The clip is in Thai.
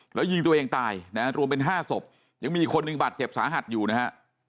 แล้วยิงตัวเองตายนะฮะรวมเป็น๕ศพยังมีอีกคนนึงบาดเจ็บสาหัสอยู่นะฮะ